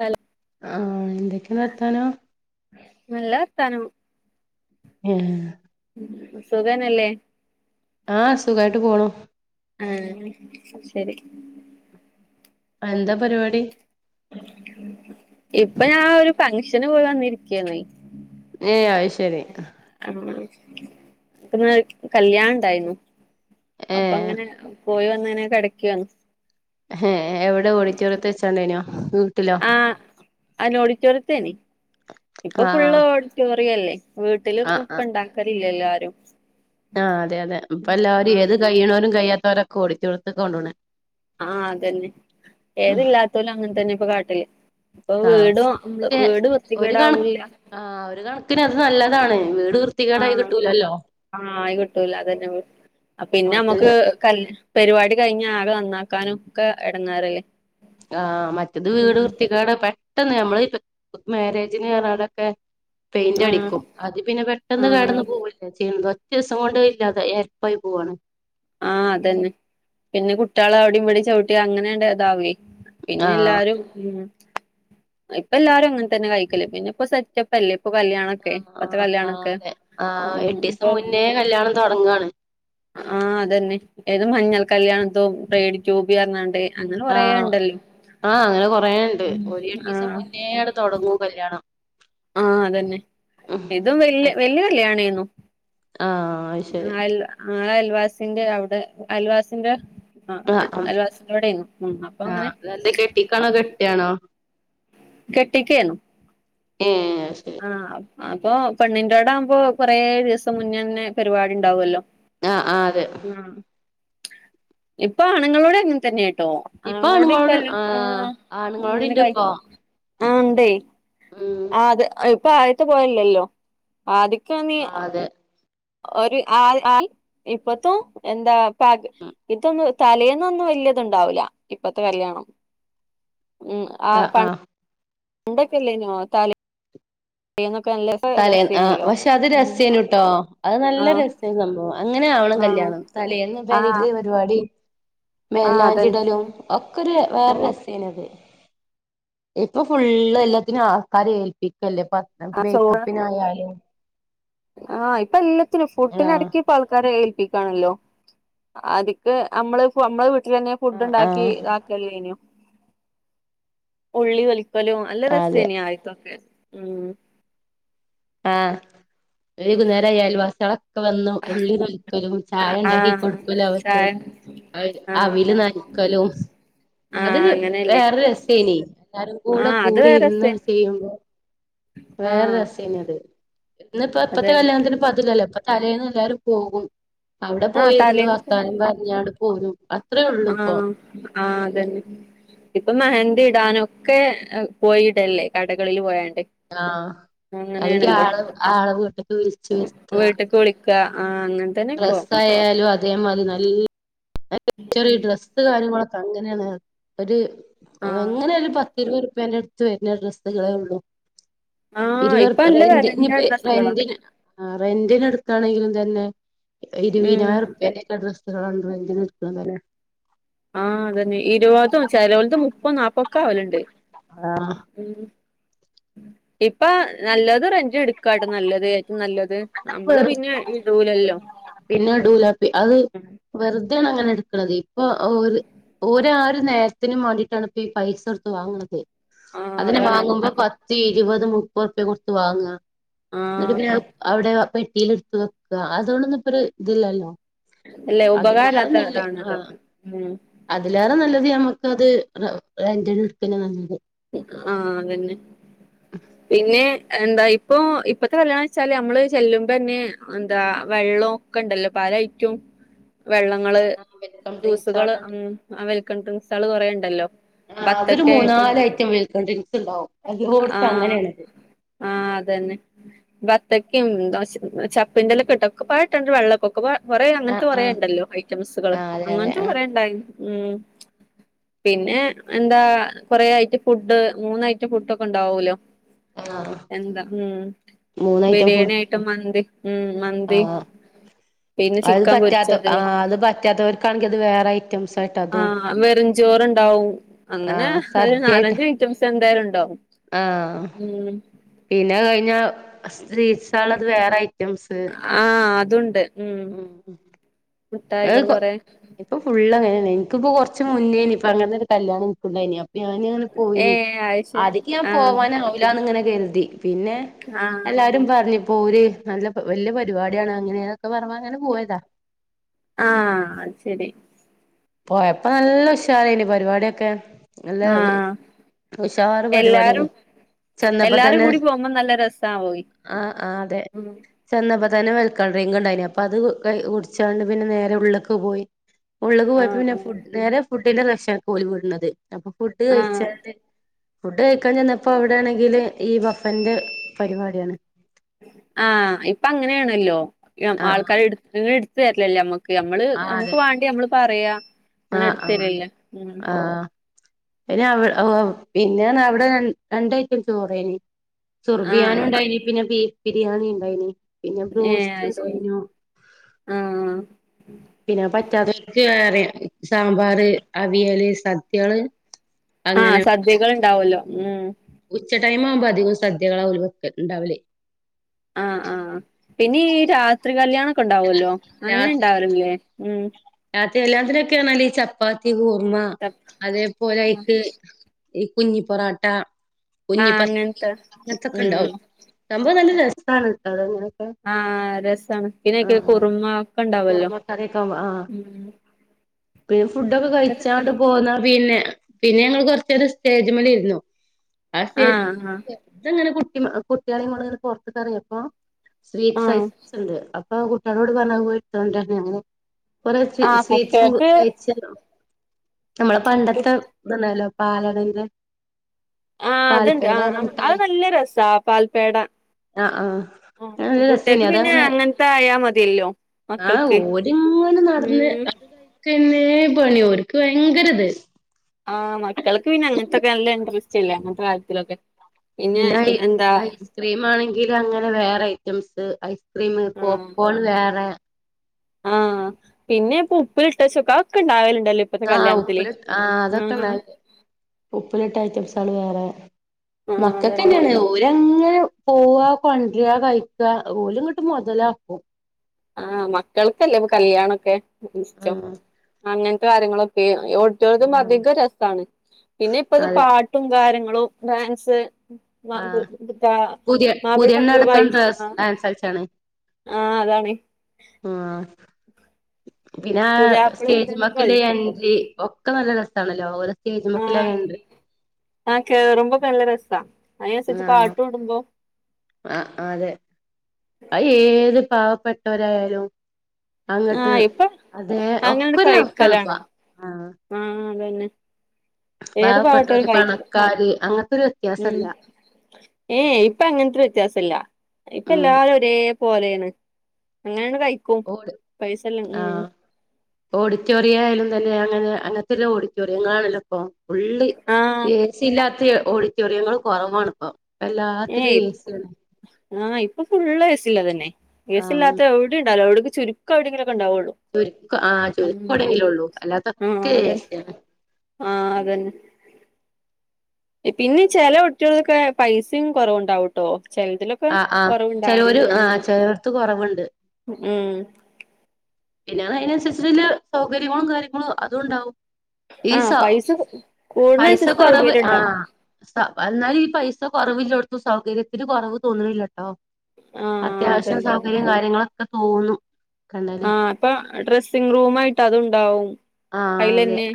Hello ആഹ് എന്തൊക്കേണി വർത്താനം നല്ല വർത്താനം ഉം സുഖന്നെല്ലേ ആ സുഖായിട്ട് പോണു ആഹ് ശരി [unintelligible] എന്താ പരിപാടി ഇപ്പൊ ഞാൻ ഒരു ഫംഗ്ഷന് പോയി വന്നിരിക്കാണ് ഉം അഹ് ശെരി ഇപ്പന്ന് കല്യാണം ഇണ്ടായിരുന്നു ഏഹ് അപ്പെങ്ങനെ പോയോ? ഇങ്ങനെ കെടക്കാണ് ഏ ഏ എവിടെ ഓഡിറ്റോറിയത്തിൽ വെച്ചാണ്ട്ന്യോ വീട്ടിലോ ആ ഓഡിറ്റോറിയത്തിലെനി ഇപ്പോ ആഹ് ഫുള്ളും ഓഡിറ്റോറിയല്ലേ വീട്ടിലും ഇപ്പോ ഇണ്ടാക്കലില്ല എല്ലാരും ആ അതെ അതെ ഇപ്പ എല്ലാരും ഏതു കയ്യുംന്നോരും കഴിയാ ഇവരോക്കെ ഓഡിറ്റോറിയത്ത്ക്കാ കൊണ്ടോണേ ആ അതന്നെ ഏതില്ലാത്തോലും അങ്ങനെ തന്നെ ഇപ്പം കാട്ടല് ഇപ്പൊ ആ വീടും പക്ഷേ വീട് വൃത്തികേടാവൂല്ല ആ ഒരു കണക്കിന് അത് നല്ലതാണ് വീട് ആ വൃത്തികേടായി കിട്ടൂലല്ലോ ആയി കിട്ടൂല അതെന്നെ പിന്നെ മറ്റത് നമ്മക്ക് കല്യാ പരിപാടി കഴിഞ്ഞാൽ ആകെ നന്നാക്കാനും ഒക്കെ എടങ്ങേറ ആ മറ്റത് വീട് വൃത്തികേട് പെ പെട്ടെന്ന് നമ്മള് മേരേജിന് പറഞ്ഞാണ്ടോക്കെ പെയിന്റ് ആഹ് അടിക്കും അത് പിന്നെ പെട്ടെന്ന് ആഹ് കേടന്ന് പോവല്ലേ ചെയ്യുന്നത് ഒറ്റ ദിവസം കൊണ്ട് ഇല്ലാതായി എരപ്പായി പോവാണ് ആ അതെന്നെ പിന്നെ കുട്ട്യേള് അവടിം ഇവടിം ചൗട്ടി അങ്ങനെണ്ട്താവെ ആഹ് പിന്നെല്ലാരും ഉം ഇപ്പല്ലാരും അങ്ങനെ തന്നെ കഴിക്കല് പിന്നെ ഇപ്പൊ സെറ്റപ്പല്ലേ ആ ആ ആ അതെ ആ ഉം എട്ടീസം മുന്നേ കല്യാണം തൊടങ്ങാണ് അതെന്നെ ഏതോ മഞ്ഞൾ കല്യാണത്തോ ബേഡി ക്യൂബിർ ഞാണ്ട് ആഹ് അങ്ങനെ കുറേയുണ്ട് ഉം ഓര് എട്ടിസം ആഹ് മുന്നേ തൊടങ്ങും കല്യാണം ആഹ് അതെന്നെ ഉം ഇതും വല്ല്യ അതെ വല്ല്യ കാല്യാണേന്നു ആഹ് അത് ശരി ആ ല്ല അല്ല ബസിന്റെ അവ്ടെ അയൽവാസിന്റെ ആഹ് അ ഉം അയൽവാസിന്റോടേന്നു ഉം അപ്പൊ അങ്ങനെ ആഹ് കെട്ടിക്കാണോ കെട്ടിയാണോ കെട്ടി കേനു ഏഹ് അത് ശരി അണോ അപ്പോ പെണ്ണിന്റെ അവ്ടെ ആവുമ്പോ കുറെ ദിവസം മുന്നേന്നെ പരിപാടി ഉണ്ടാവല്ലോ ആഹ് ആഹ് അതെ ഇപ്പ ആണുങ്ങളോടു അങ്ങനെതന്നെ ഇപ്പ ആണുങ്ങളൊട് ആ ആണ്ങ്ങളൊണ്ടിപ്പോ ആ ഉണ്ടേ ഉം അഹ് ഇപ്പ ആയത്തെ പോലല്ലല്ലോ ആദിക്കാന്നീ ആഹ് അതെ ഒര് ആഹ് ആ ഇപ്പത്തോ എന്താ പക ഇതൊന്നും തലേന്നൊന്നും വല്യ ദ്ണ്ടാവൂല ഇപ്പത്തെ കല്യാണം. ഉം, ആ ആഹ് പ ആഹ് ണ്ടക്കല്ലേ നോ തലേ എന്നൊ തലേന്ന് ആ പക്ഷേ അത് രസേനു ട്ടോ നല്ല ആഹ് രസേന്നു സംഭവം അങ്ങനെ ആവണം ആഹ് കല്യാണം തലേന്ന് ആഹ് പെരേക്ക് പരിവാടി ആഹ് അതന്നെ മൈലാഞ്ചിടലും ഒ ക്കൊര് വേറെ രസേനു അത്. ഇപ്പ ഫുളള് എല്ലാത്തിനും ആൾക്കാരെ ഏൽപ്പി ക്കല്ലെ പത് മേക്കപ്പിന് ആയാലും ആ ഇപ്പല്ല ഇത്ര ഫുഡിന് ആഹ് അടക്കിപ്പ ആൾക്കാരെ ഏൽപ്പി ക്കാണല്ലോ ആദിക്ക് അമ്മള് ഫു അമ്മള് വീ ട്ടിലെന്നെ ആഹ് ഫുഡ്ണ്ടാക്കി ആഹ് താക്കല്ലേനു. ഉള്ളി തൊലി ക്കലും നല്ല അതെ രസേനി ആദ്യത്തൊക്കെ. ഉം ആ ഏതു നേരായാലും [unintelligible] വന്ന് ഉള്ളി പൊളിക്കലും ചായ ഉണ്ടാക്കി ആഹ് കൊടുക്കലും അവർക്ക് ചായ ആഹ് അവീല് നനക്കലും അത് ആഹ് അങ്ങനെയല്ലേ വേറെര് രസേനീ ആഹ് അത് വേറെ സെ എല്ലാരുക്കൂടെക്കൂടിയിന്ന് ചെയ്യുമ്പോ വേറൊരു ആഹ് രസനിയത് ഇന്നിപ്പോ ഇപ്പത്തെ അതന്നെ കല്യാണത്തിപ്പോനതിലല്ലോ പ്പോ. തലേന്ന് എല്ലാരും പോകും ആഹ് അവടെപ്പോയിരുന്ന് തലേന്ന് വർത്താനപ്പറഞ്ഞാണ്ട്. [unintelligible] അത്രയൊള്ളൂഇപ്പം ആഹ് ആഹ് അതാന്. ഇപ്പോ മെഹന്തിടാനോക്കെ പോയിടല്ലേ. കടകളില് പോയി ആഹ്, അല്ലങ്കിൽ ആളെ വീട്ടിക്ക് വിളിച്ചു വെരുത്താ. വീട്ട്ക്ക് വിളിക്ക ആഹ് അങ്ങനെ തന്നെ ഇപ്പൊ ഡ്രെസ്സായാലും അത് അതെ മാതിരി നല്ല ചെറിയ ഡ്രസ്സ് കാര്യങ്ങളൊ അങ്ങെനെയാണ്. ഒര് ആഹ് അങ്ങനെയൊരു പ ഇരുന്നൂറുപ്പിന്റേടത്ത് വെരുന്നഡ്രസ്സ്കളെ ഉള്ളൂ. ആഹ് ഇപ്പൊ ഇരുവെർപ്പിക്ക് നല്ല റെന്റി വെലന്റെ നിപ്പോ ഡ്രസ്സുകളാ റെന്റിന് ആഹ്. റെന്റിനു എടുക്കാണങ്കിലും തന്നെ. ഉം ഇരുവിനായിരം ർപ്യ ൻറ്റെ ഡ്രസ്സ്‌ ആ റെന്റ്റിന് അത് പോലെ ആഹ്, അതെന്നെ. ഇരുപതും ചെലവലത്ത് മുപ്പത്തും നാപ്പതുമൊക്കെയാവലൊണ്ട്. ആഹ് ഇപ്പ നല്ലെത് റെന്റിനെടുക്കട്ട നല്ലെത് നല്ലത്. നമ്മള് വെറ്ത് പിന്നെ ഇടൂലല്ലോ പിന്നെ ഇടൂല അത് വെറ് വെറുതെആണിപ്പങ്ങനെയെടക്കണത്. ഇപ്പോ ഓര് ഓരോയാര് നേരത്തിന് മാണ്ടിട്ടാണിപ്പോപൈസ കൊടുത്തു വാങ്ങണത്. ആഹ് അതിന് അതാണ് മാങ്ങുമ്പം പത്തീ ഇരുപ്പതും മുപ്പറുപ്പിയും കൊടുത്ത് വാങ്ങാ ന്നട്ട് ആഹ് പിന്നെ അത് അത് പെട്ടിലെടുത്ത് വെക്കാ അതുകൊണ്ടൊന്നുയിപ്പരുതില്ലല്ലോ. അല്ലെ അതേലേറെ ഉപകാരല്ലാത്ത നല്ലത് ഇതാണ് ആ അതൊക്കെ ഉം അതിലേറെ നല്ലത് നമ്മക്ക് അത് റെന്റിനു ഇടക്കന്നെ നല്ലത് ആഹ് അതന്നെ. പിന്നെ എന്താ ഇപ്പോഴത്തെ കല്യാണം ന്ന് വെച്ചാൽ ഞമ്മൾ ചെല്ലുമ്പോ ന്നെ എന്താ വെള്ളോം ഒക്കെണ്ടല്ലോ പല ഐറ്റം വെക്കും വെള്ളങ്ങൾ ആഹ് വെൽക്കം ഡ്രിങ്ക്സ് ജ്യൂസുകൾ അവിടെ ഉണ്ട് വെൽകംഡ്രിങ്ക്സ് ജ്യൂസുകളായിട്ടിട്ട് ആഹ് അതൊരു ബത്തക്കായിട്ടും ആഹ് അതന്നെ [unintelligible] [unintelligible] കൊറേ അങ്ങനത്തെ ആഹ് കൊറേ ആഹ് ഉണ്ടല്ലോ ഐറ്റംസ്കള് ആഹ് അതെ അതെ അങ്ങനത്തെ ആഹ് കൊറേ ഉണ്ടായിന് ഉം പിന്നെ എന്താ കുറേ ഐറ്റം ഫുഡ് മൂന്ന് ഐറ്റം ഫുഡൊക്കെ ഉണ്ടാവൂല്ലോ ആഹ് എന്താ ഉം മൂന്നഐറ്റം ബിരിയാണി ഫുഡ് ആയിട്ടും മന്തി ഉം മന്തി ആഹ് പിന്നെ അത് ചിക്കൻ പറ്റാത്ത പൊരിച്ചത് ആ അത് പറ്റാത്തവർക്കാണെങ്കിൽ അത് വേറെ ഐറ്റംസായിട്ട് അതും ചോറുണ്ടാവും അങ്ങനെ ഒരു നാലഞ്ച് ഐറ്റംസ് എന്തായാലും ഉണ്ടാവും ആ ഉം പിന്നെ അത് കഴിഞ്ഞാ സ്ട്രി സൽ അത്‌ വേറെ ഐ ആഹ് അതുണ്ട് ഉം മുട്ടായികൾ കൊറെ [unintelligible] ഇപ്പം ഫുള്ള് അങ്ങനെ ന്നെനി ഇന്ക് പ്പം കൂർച്ചി മുന്നേ നി പ അങ്ങൻ കല്യാണം ഇൻക്കുണ്ടായിനി അപ് ഞാൻ ങ്ങനെ ഏ പോയിനി അയ്ശരി ആതിക്ക് ഞാൻ ആഹ് പോവനാവൂല ന്ന് ങ്ങനെ കരുതി. പിന്നെ ആഹ് എല്ലാരും പറഞ്ഞ് പോര് നല്ല വല്ല്യ പരിപാടി ആണ് അങ്ങനെ ഒക്കെ പറഞ്ഞപ്പോ പോയതാ ആ അത് ശരി പോയപ്പോ നല്ല ഉഷാറേനി പരിപാടി ഒക്കെ നല്ല ആഹ് ഉഷാർ പരിപാടി ആനി. എല്ലാരും ചെന്നപ്പോ എല്ലാരും തന്നെ കൂടി പോകുമ്പോ നല്ല രസാവോയ് ആഹ് ആഹ് അതേ ഉം ചെന്നപ്പോ പിന്നെ വെൽക്കം ഡ്രിങ്ക് ഉണ്ടയിനി പിന്നെ അത് കുടിച്ചാണ്ട് നേരെ ഉള്ളിക്ക് പോയി. ഉള്ളിക്ക് പോയി ന്നെ ആഹ് ഫുഡ് നേരെ [unintelligible] അപ്പ ഫുഡ് ആഹ് ആഹ് കഴിച്ചാണ്ട് ഫുഡ് കഴിക്കാൻ ചെന്നപ്പോ അവിടെണെങ്കിൽ ഈ വഫന്റെ പരിപാടിയാണ്. ആഹ് ഇപ്പോ അങ്ങനെ ണല്ലോ. ആഹ് ആൾക്കാർ ഇടത് ര് ല്ല്ലേ മ്മക്ക് ക്ക് നമ്മള് ആഹ് അതെ നമക്ക് വാണ്ടയ് നമ്മള്പറയാ ആഹ് ആഹാ ആഹ് അയ്ന് അവ് അ പിന്നെ അവിടെരണ്ടയ്റ്റം ചോറ് ഏനി സുർ ആഹ് ബിയാനുണ്ടായി നി പിന്നെ ബീഫ് ബിരിയാണി ഇണ്ടായിനി പിന്നെ ഏ അയ്ശരി ബ്രോസ്റ്റ്ണ്ടായി നു ആഹ് പിന്നെ പ റ്റാത്തോൽക്ക് വേറിം സാമ്പാറ് അവിയല് സദ്യ കള് ആ സദ്യകള്ണ്ടാ വല്ലേ ഉം ഉച്ച ടൈമ് ആവുമ്പോ അധികും സദ്യകളാ ഒല് വ ഉണ്ടാകല് ആ ആ പിന്നെ ഈ രാത്രി കല്യാണം ക്കെ ണ്ടാവല്ലേ അങ്ങനെ രാത്രി ണ്ടാവല്‌ല്ലേ മ് രാത്രി കല്യാണത്തിനെക്കെ ചെന്നാല് ഈ ചപ്പാത്തി കുറു മ അതേപോലെ ആ അയിക്ക് ഈ കുഞ്ഞി പെറാട്ട ആ കുഞ്ഞി പത്തിരി അങ്ങനത്തെ അങ്ങൻ ഉം ത്തെക്കെണ്ടാവും സംഭവം നല്ല രസാണ് അതെങ്ങനെ ആ രസാണ് പിന്നെ അയ്ക്ക് കുറുമ ഒക്കെ ണ്ടാവുല്ലോ കുറുമ ഉം ബീഫ് ഫുടൊക്കെ കയിച്ചാണ്ട് പോന്നാ പിന്നെ പിന്നെ ഞങ്ങള് കൊർച്ചേരംസ്റ്റേജിമ്മ്ല് ഇരുന്നു ആ സ്റ്റേജിമല് വെറുതെ ങ്ങനെ കുത്ത ക്കിം കുട്ടിയോളികൊണ്ട് ങ്ങനെ പൊർത്ത്ക്ക് എറങ്ങിയപ്പോ ആ സ്വീറ്റ്സ് ഐറ്റംസ്ണ്ട് അപ്പൊ ആ കുട്ടികളോട് പറഞ്ഞ് അത് പോയിട്ത്ത്കൊണ്ടരാന് അങ്ങനെ ഓരോ ആ സ്വീറ്റ്സുണ്ട് കുട്ടികൾക്ക് കഴിച്ചാല്ലോ നമ്മളെ പണ്ടത്തെ ത്ണ്ടാലോ പാലടന്റെ ആ അത്ണ്ട് ആ പാൽപേട ആ അഹ് മിഠായി നല്ല രസാ പാൽ പേടാ ആഹ് ആഹ് ഉം നല്ല രസേനി കുട്ടിയാക്ക് പിന്നെ അതങ്ങനെ അങ്ങൻത്തായാമതില്ലോ മക്കൾക്ക് കുത്തർന്ന് ഉം അത് കഴിക്ക് പിന്നെ പണി ഓർക്ക് ഭയങ്കര ഇത് ആഹ് മ ട്ടൊൾക്ക് പിന്നെ [unintelligible] ചില കാര്യത്തിലൊക്കെ പിന്നെ ഈ ഐസ്ക്രീം ആണെങ്കി ഇതിൽ അങ്ങനെ വേറെ ഐറ്റംസ് മ് ആ പോപ്കോൺ വേറെ ആ പിന്നെ ഇപ്പോ ഉപ്പിലിട്ട് അതൊ [unintelligible] ആ ആ അതൊക്കെണ്ടാര്ന്ന് ഉപ്പിലിട്ട ഐറ്റംസ് വേറെ ആ മക്കൾക്ക് അതന്നെ തന്നെ ഒരങ്ങ് പോവാ കൊണ്ട് വരുക കഴിക്കുവാ ഒര് അങ്ങോട്ട്‌ മുതലാക്കും ആ മക്കൾക്കല്ലേ ഇപ്പോ കല്യാണം ക്കെ ഇഷ്ടം ആഹ് കാര്യങ്ങളൊക്കെ കുട്ടികൾക്ക് ആഹ് അധികം രസാണ് പിന്നെ ഇപ്പഴത്തെ അതെ പാട്ടും കാര്യങ്ങളു ഗ്രൂപ്പ് ഡാൻസ് പുതിയ പുതിയണ്ണടക്കം ഡ്രസ് ഡാൻസ് [unintelligible] ആ അതാണ് ആ പിന്നെ പുതിയാപ്പളേം പുതിയണ്ണൊക്കെ സ്റ്റേജിമലേക്കില് കളിക്കും അഞ്ച് ഒക്കെ നല്ല രസ [unintelligible] ആഹാ കയറുമ്പോ [unintelligible] രസാ. അതിനനുസരിച്ച് പാട്ടും ഇടുമ്പോ ആ ആ അതെ. അയ് ഏത് പാ പെട്ടവരായാലും അങ്ങോട്ട്‌ ആഹ് ഇപ്പൊ അതേ അങ്ങനണ്ട് ഒക്കെ ഒരു [unintelligible] ആ എന്ത്വന്നെ ഏതു പാവപെട്ടവരും കഴിക്കും പണക്കാര് അങ്ങനത്തൊരു ഉം വ്യത്യാസല്ല ഏ ഇപ്പോ അങ്ങനത്തെ വ്യ ത്യാസ ഇല്ല. ഇപ്പൊ ഉം എല്ലാരും ഒരേ പോലെയാണ്. അങ്ങനെയാണ് കഴി ക്കും. പൈസയില്ല മ് മ് ഓഡിറ്റോറിയം ആയാലും [unintelligible] അങ്ങനെ അങ്ങനത്തുള്ള ഓഡിറ്റോറിയങ്ങളാണലോ ഇപ്പൊ. ഫുള്ളി ആഹ് ഏസിയില്ലാ ത്ത ഓഡിറ്റോറിയങ്ങള് കൊറവാണിപ്പം. എല്ലാത്തിലും ഏസിയന്നെ. പ്പം ഫുള്ള് എ സീ ള്ളതന്നെ എ സി ഇല്ലാത്തെ എവിടെയും ഉണ്ടാകില്ല എവി ചുരുക്കം എവിടെയെങ്കിലും ചുരുക്കം ആഹ് ചുരുക്കം എവിടെ എങ്കിലും ഉള്ളൂ ആഹ് അല്ലാത്തൊക്കെ എ അതന്നെ സി ആണ് ആഹ് അതന്നെ പിന്നെ ചില വീട്ടിലൊക്കെ പൈസിം കൊറവുണ്ടാവും ട്ടോ ചിലതിലൊക്കെ ആ ആ ചിലവര് കുറവുണ്ടാവലുണ്ട് ആ ഉം ചിലവർക്ക് കുറവുണ്ട് ഉം പിന്നെ അതിനനുസരിച്ച് വല്യ സൗകര്യങ്ങളും കാര്യങ്ങളും അതും ഉണ്ടാവും ഈ സ ആഹ് പൈസ പൈസ കൂടുന്നനുസരിച്ച് കുറവ് സൗകര്യം ഉണ്ടാവും ആഹ് പൈസ എന്നാലും ഈ പൈസ കുറവില്ലോടുത്ത് സൗകര്യത്തിന് കൊറവ് തോന്നുണില്ല ട്ടോ ആഹ് അത്യാവശ്യം അതന്നെ സൗകര്യം കാര്യങ്ങള് അതൊക്കെ തോന്നും കണ്ടാല് ആഹ് ഇപ്പം ഡ്രസ്സിങ് റൂമായിട്ട് അതുണ്ടാവും ആഹ് അതെ അയിലന്നെ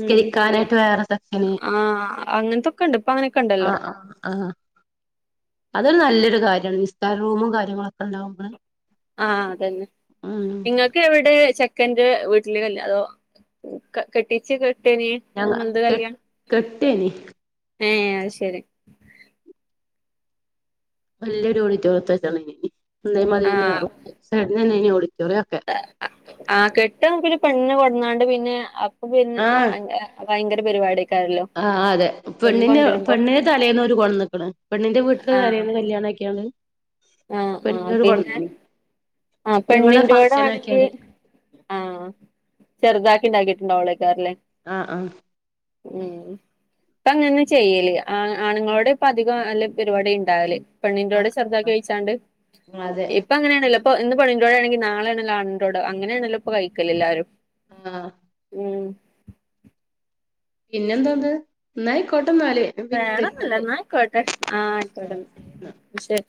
ഉം വേറെ സെക്ഷന് ആഹ് അങ്ങനൊത്തൊക്കെ ഇണ്ട് ഇപ്പം അങ്ങനെക്കെ ഇണ്ടല്ലോ ആഹ് ആഹ് ആഹ് അതൊരു നല്ലൊരു കാര്യാണ് നിസ്കാര റൂമും കാര്യങ്ങളും ഒക്കെ ഉണ്ടാവുമ്പളെ ആഹ് അതെന്നെ നിങ്ങക്ക് എവിടെ ചെ ക്കന്റെ വീട്ടിലേക്ക് തന്നോ അതോ ക കെട്ടിച്ച് കെട്ടേന് ഞ ഇങ്ങൾത് കെ കല്യാണം കെട്ടിനി ഏഹ് അത് ശെരി നല്ലൊരു [unintelligible] [unintelligible] [unintelligible] ഒളി ആഹ് [unintelligible] ഒക്കെ ആഹ് കെട്ട് ആങ്കില് പെണ്ണ് കൊണ്ടരാണ്ട് പിന്നെ പിൻ ആഹ് ആൻ്റെ ഫയങ്കര പരുപാടി ആഹ് അതേ പെണ്ണിന് പെണ്ണിനെ തലേന്ന് അവര് കൊണ്ട്ന്നേക്കണ് പെണ്ണിന്റെ വീട്ടില് ആഹ് തലേന്ന് കല്യാണം ആക്കിയാണ് ആഹ് ആഹ് പിന്നെ ആഹ് പിന്നെ ഇവിടെ പെണ്ണിന്റൂടെ ഫംഗ്ഷൻ വേണെങ്കി ആക്കിയാണ്ട് ആഹ് ചെറുതാക്കി ഇണ്ടാക്കി ണ്ട് അവിടെ [unintelligible] ല്ലേ ആഹ് ആഹ് ഉം ഇപ്പം അങ്ങനെ ചെയ്യല് ആ ആണുങ്ങളോട് ഇപ്പതികം അല്ലേ പരുപാടി ഇണ്ടാവല് പെണ്ണിന്റവിടെ ആഹ് [unintelligible] ച്ചാണ്ട് ആഹ് അതെ ഇപ്പോ അങ്ങനെ ആണെല്ലോ ഇപ്പോ ഇന്ന് പെണ്ണിൻ്റോടെണെങ്കി നാളേണല്ലോ ആണിൻ്റോടെ അങ്ങനെയണല്ലോ ഇപ്പൊ കഴിക്കല് എല്ലാരും. ആഹ് ഉം പിന്നെ എന്തോന്ന് ന്നാ ആയിക്കോട്ടെ എന്നാല് ഞാൻ പിന്നെ വിളിക്കണ്ട് വെറൊന്നൂല്ലാ ന്നായികോട്ടെ ആഹ് ആ ആയിക്കോട്ടെ ശരി ന്നാ ശെരി